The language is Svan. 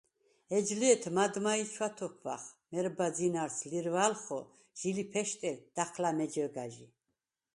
ეჯ ლეთ მადმა ი ჩვათოქვახ მერბა ძინარს ლირვალხო ჟი ლიფეშტე დაჴლა მეჯვეგაჟი.